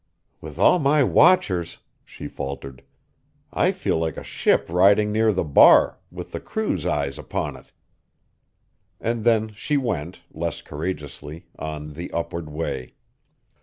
"With all my watchers," she faltered, "I feel like a ship riding near the bar, with the crew's eyes upon it!" And then she went, less courageously, on the upward way.